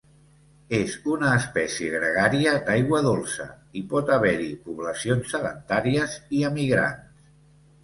És una espècie gregària d'aigua dolça i pot haver-hi poblacions sedentàries i emigrants.